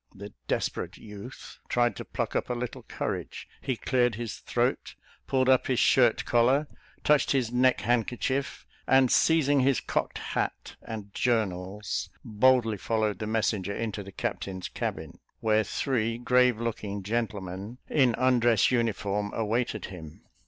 The "desperate youth" tried to pluck up a little courage he cleared his throat, pulled up his shirt collar, touched his neck handkerchief, and seizing his cocked hat and journals, boldly followed the messenger into the captain's cabin, where three grave looking gentlemen, in undress uniform, awaited him.